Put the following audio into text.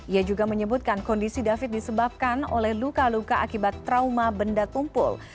ia juga menyebutkan kondisi david disebabkan oleh luka luka akibat trauma benda tumpul